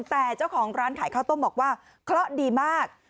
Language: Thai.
แต่เจ้าของร้านขายข้าวต้มบอกว่าเคราะห์ดีมาก